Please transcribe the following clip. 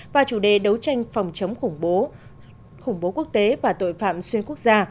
và chủ đề đấu tranh phòng chống khủng bố quốc tế và tội phạm xuyên quốc gia